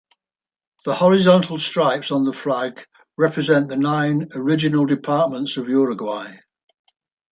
The horizontal stripes on the flag represent the nine original departments of Uruguay.